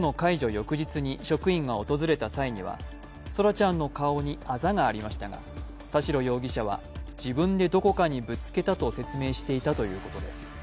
翌日に職員が訪れた際には空来ちゃんの顔にあざがありましたが田代容疑者は自分でどこかにぶつけたと説明していたということです。